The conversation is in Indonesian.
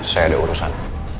saya ada urusan